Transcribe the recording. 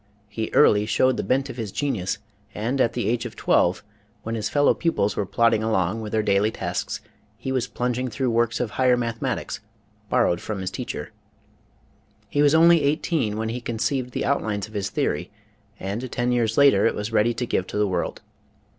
He early showed the bent of his genius and at the age of twelve, when his fellow pupils were plodding along with their daily tasks, he was plunging through works of higher mathematics borrowed from his teacher. He was only eighteen when he conceived the outlines of his theory and ten years later it was ready to give to the world.